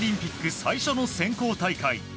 最初の選考大会。